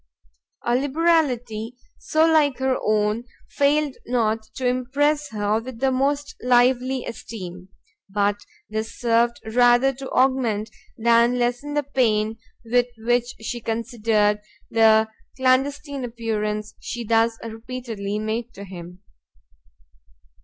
A liberality so like her own failed not to impress her with the most lively esteem: but this served rather to augment than lessen the pain with which she considered the clandestine appearance she thus repeatedly made to him.